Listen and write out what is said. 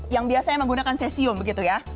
yang biasanya menggunakan cesium begitu ya